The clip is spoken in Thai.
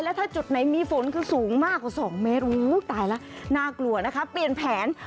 ถ้าจุดไหนมีฝนคือสูงมากกว่า๒เมตรตายแล้วน่ากลัวนะคะเปลี่ยนแผน